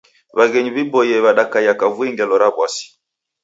W'aghenyu w'iboie w'adakaia kavui ngelo ra w'asi.